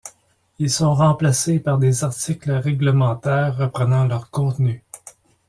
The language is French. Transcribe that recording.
Ils sont remplacés par des articles réglementaires reprenant leur contenu.